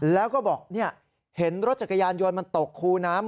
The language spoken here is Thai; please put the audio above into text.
แล้วก็บอกเห็นรถจักรยานยนต์มันตกคูน้ำ